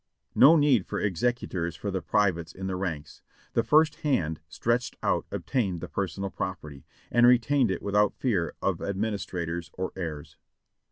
No need of executors for the privates in the ranks — the first hand stretched out obtained the personal property, and retained it without fear of administrators or heirs.